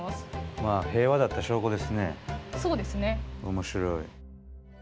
面白い。